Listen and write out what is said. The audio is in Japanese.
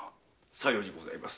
さようにございます。